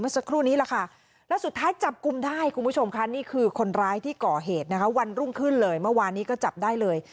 สุดท้ายจับกุมได้คุณผู้ชมค่ะนี่คือคนร้ายที่ก่อเหตุนะคะวันรุ่งขึ้นเลยเมื่อวานนี้ก็จับได้เลย